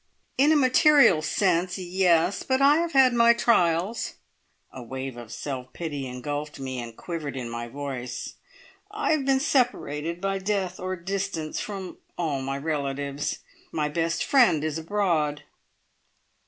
"In a material sense yes! But I have had my trials." A wave of self pity engulfed me and quivered in my voice. "I have been separated, by death or distance, from all my relatives. My best friend is abroad."